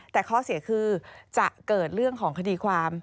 แต่ข้อเสียคือจะเกิดเรื่องของคดีความ